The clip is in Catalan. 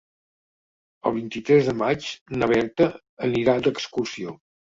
El vint-i-tres de maig na Berta anirà d'excursió.